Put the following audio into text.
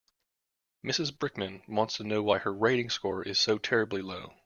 Mrs Brickman wants to know why her rating score is so terribly low.